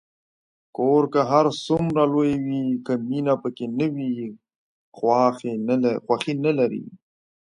کور که هر څومره لوی وي، که مینه پکې نه وي، خوښي نلري.